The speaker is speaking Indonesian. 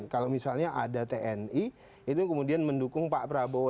kalau misalnya ada tni itu kemudian mendukung pak prabowo